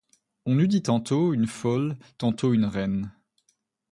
On eût dit tantôt une folle, tantôt une reine.